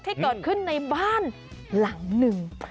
ที่เกิดขึ้นในบ้านหลังหนึ่ง